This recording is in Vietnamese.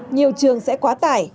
nhiều trường sẽ quá tải